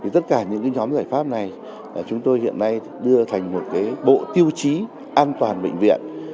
tất cả những nhóm giải pháp này chúng tôi hiện nay đưa thành một bộ tiêu chí an toàn bệnh viện